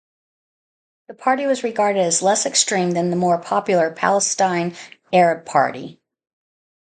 The party was regarded as less extreme than the more popular Palestine Arab Party.